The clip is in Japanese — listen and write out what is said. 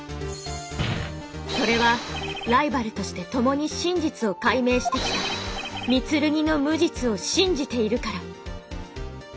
それはライバルとして共に真実を解明してきた御剣の無実を「信じている」から。